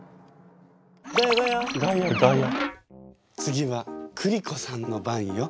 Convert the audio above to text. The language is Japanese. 次はクリコさんの番よ。